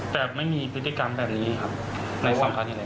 แต่ไม่มีพฤติกรรมแบบนี้ครับในสองครั้งที่ร้าน